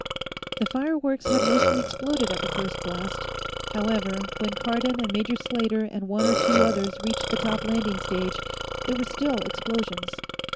The fireworks had mostly exploded at the first blast; however, when Cardon and Major Slater and one or two others reached the top landing stage, there were still explosions.